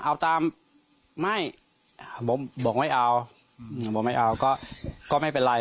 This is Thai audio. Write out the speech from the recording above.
เอาตามไม่ผมบอกไม่เอาบอกไม่เอาก็ไม่เป็นไร